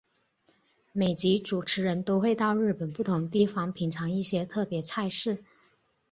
每集主持人都会到日本不同地方品尝一些特别菜式。